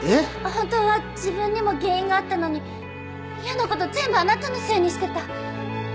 本当は自分にも原因があったのに嫌な事全部あなたのせいにしてた。